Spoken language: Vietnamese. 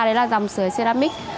đấy là dòng sửa ceramic